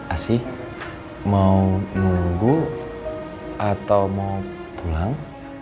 asih mau nunggu atau mau pulang